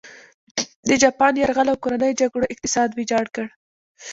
د جاپان یرغل او کورنۍ جګړو اقتصاد ویجاړ کړ.